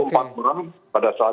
empat orang pada saat